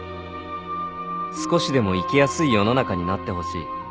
少しでも生きやすい世の中になってほしい